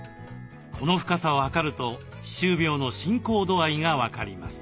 この深さを測ると歯周病の進行度合いが分かります。